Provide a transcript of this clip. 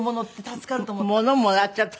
ものもらっちゃった。